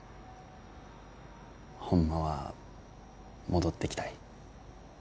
ホンマは戻ってきたい。